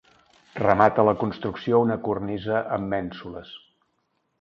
Remata la construcció una cornisa amb mènsules.